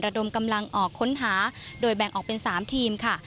ดมกำลังออกค้นหาโดยแบ่งออกเป็น๓ทีมค่ะ